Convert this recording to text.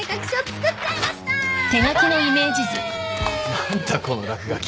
何だこの落書き。